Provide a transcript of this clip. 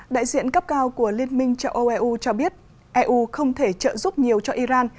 đại diện cấp cao của liên minh châu âu eu cho biết eu không thể trợ giúp nhiều cho iran